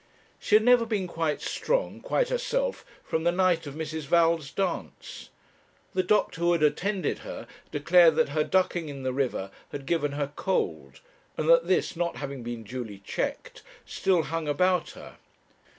She had never been quite strong, quite herself, from the night of Mrs. Val's dance. The doctor who had attended her declared that her ducking in the river had given her cold: and that this, not having been duly checked, still hung about her.